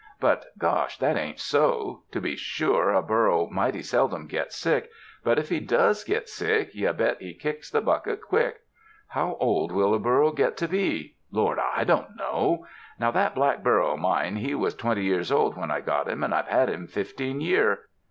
But, gosh, that ain't so. To be sure, a burro mighty seldom gets sick, but if he does git sick, you bet he kicks the bucket quick. How old will a burro git to be? Lord, I don't know. Now that black burro of mine, he was twenty years old 17 UNDER THE SKY IN CALIFORNIA when I got him and I've had him fifteen year.